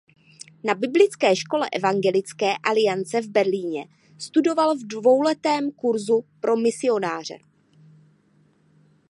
Na biblické škole Evangelické aliance v Berlíně studoval v dvouletém kursu pro misionáře.